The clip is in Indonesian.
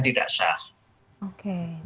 tidak sah oke